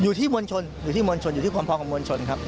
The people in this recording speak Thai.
อยู่ที่มวลชนอยู่ที่มวลชนอยู่ที่ความพร้อมของมวลชนครับ